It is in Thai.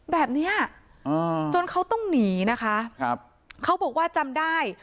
แบบเนี้ยอ่าจนเขาต้องหนีนะคะครับเขาบอกว่าจำได้